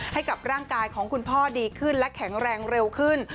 ให้กับร่างกายของคุณพ่อดีขึ้นและแข็งแรงเร็วขึ้น